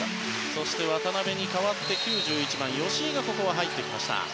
そして、渡邊に代わって９１番の吉井がここは入ってきました。